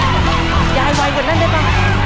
ยายไวกว่านั้นได้ป่ะ